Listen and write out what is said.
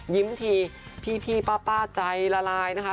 ยิ้มทีพี่ป้าใจละลายค่ะ